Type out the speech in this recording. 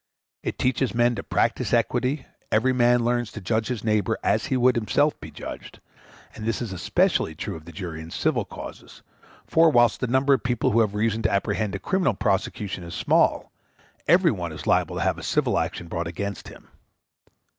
It teaches men to practice equity, every man learns to judge his neighbor as he would himself be judged; and this is especially true of the jury in civil causes, for, whilst the number of persons who have reason to apprehend a criminal prosecution is small, every one is liable to have a civil action brought against him.